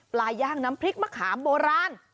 ย่างน้ำพริกมะขามโบราณ